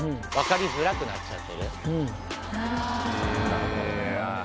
なるほどね。